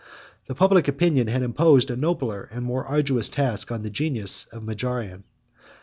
The public opinion had imposed a nobler and more arduous task on the genius of Majorian.